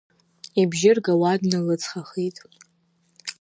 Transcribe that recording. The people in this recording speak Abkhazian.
Ибжьы ргауа дналыҵхахеит.